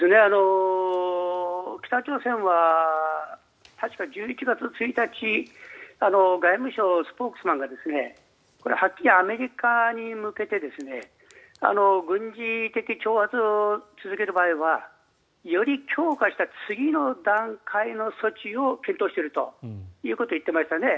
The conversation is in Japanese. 北朝鮮は確か１１月１日外務省スポークスマンがはっきりアメリカに向けて軍事的挑発を続ける場合はより強化した次の段階の措置を検討しているということを言ってましたね。